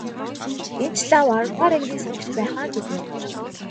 Энэ ч лав аравдугаар ангийн сурагч байх аа гэж байна.